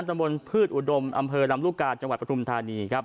ตำบลพืชอุดมอำเภอลำลูกกาจังหวัดปฐุมธานีครับ